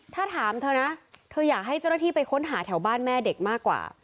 ถ้าถามเธอนะเธออยากให้เจ้าหน้าที่ไปค้นหาแถวบ้านแม่เด็กมากกว่า